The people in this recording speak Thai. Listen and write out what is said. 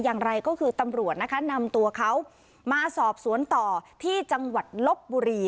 อย่างไรก็คือตำรวจนะคะนำตัวเขามาสอบสวนต่อที่จังหวัดลบบุรี